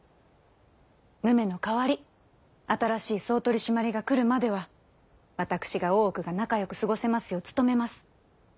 武女の代わり新しい総取締が来るまでは私が大奥が仲よく過ごせますよう努めます。